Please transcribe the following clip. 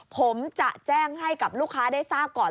ผมจะแจ้งให้กับลูกค้าได้ทราบก่อน